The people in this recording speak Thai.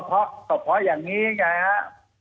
ก็เพราะอย่างนี้ไงครับ